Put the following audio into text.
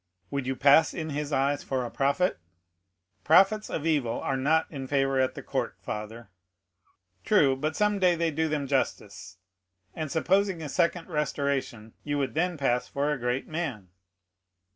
"Would you pass in his eyes for a prophet?" "Prophets of evil are not in favor at the court, father." "True, but some day they do them justice; and supposing a second restoration, you would then pass for a great man."